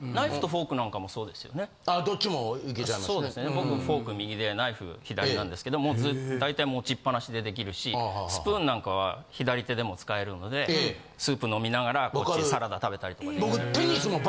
僕もフォーク右でナイフ左なんですけども大体持ちっぱなしでできるしスプーンなんかは左手でも使えるのでスープ飲みながらこっちでサラダ食べたりとかできちゃう。